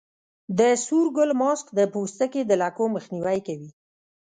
د سور ګل ماسک د پوستکي د لکو مخنیوی کوي.